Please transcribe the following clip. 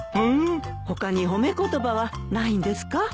他に褒め言葉はないんですか？